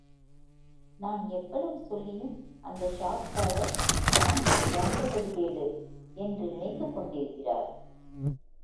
நான் எவ்வளவு சொல்லியும் அந்த ஷாப்காரர் நான்தான் ரங்கவடி வேலு என்று நினைத்துக்கொண்டிருக்கிறார்.